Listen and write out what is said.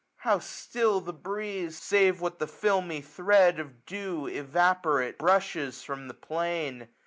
How still the breeze ! save what the filmy thread Of dew evaporate brushes from the plain.